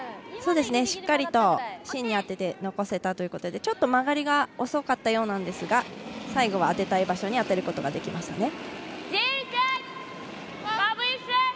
しっかりと、芯に当てて残せたということでちょっと曲がりが遅かったようなんですが最後は当てたい場所に当てることができました。